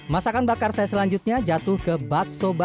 masakan bakar selanjutnya